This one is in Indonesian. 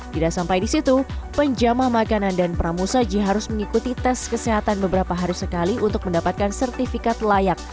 tidak sampai di situ penjama makanan dan pramu saji harus mengikuti tes kesehatan beberapa hari sekali untuk mendapatkan sertifikat layak